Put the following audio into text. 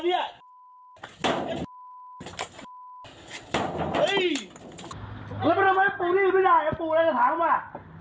ไม่ได้ปลูกได้ปลูกได้สถานก็มา